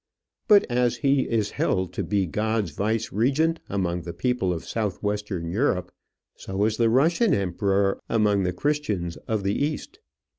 But as he is held to be God's viceregent among the people of south western Europe, so is the Russian emperor among the Christians of the East.